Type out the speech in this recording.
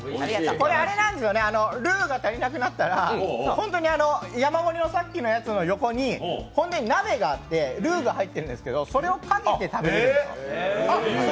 これあれなんですよね、ルーが足りなくなったら、ホントに山盛りのさっきのやつの横に鍋があってルーが入ってるんですけど、それをかけて食べるんですよ。